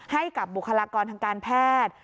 ให้กับบุคลากรทางการแพทย์